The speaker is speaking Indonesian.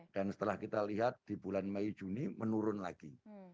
dan setelah kita lihat di bulan mei juni menurun lagi